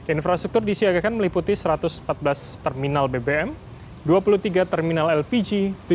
infrastruktur disiagakan meliputi satu ratus empat belas terminal bbm dua puluh tiga terminal lpg